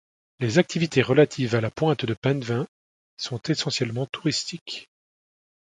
Les activités relatives à la pointe de Penvins sont essentiellement touristiques.